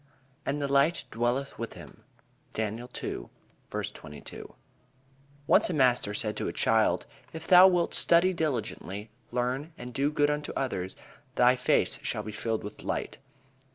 "And the light dwelleth with him." Daniel II: 22. Once a master said to a child: "If thou wilt study diligently, learn, and do good unto others, thy face shall be filled with light."